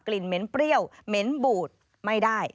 เหม็นเปรี้ยวเหม็นบูดไม่ได้